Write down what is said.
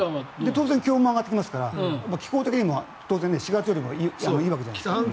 当然気温も上がってきますから気候的にも４月よりもいいわけですね。